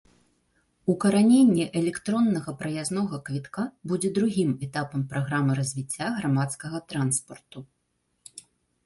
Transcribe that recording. Укараненне электроннага праязнога квітка будзе другім этапам праграмы развіцця грамадскага транспарту.